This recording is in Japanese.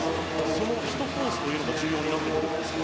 その１コースというのが重要になってくるんですか？